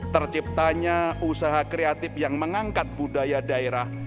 terciptanya usaha kreatif yang mengangkat budaya daerah